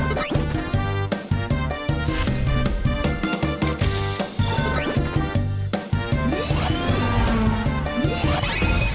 สวัสดีค่ะ